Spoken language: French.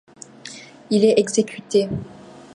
Il est exécuté.